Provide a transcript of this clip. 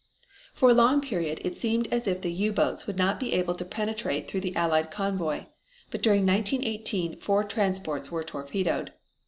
For a long period it seemed as if the U boats would not be able to penetrate through the Allied convoy, but during 1918 four transports were torpedoed.